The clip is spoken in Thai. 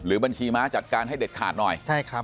หรือบัญชีม้าจัดการให้เด็ดขาดหน่อย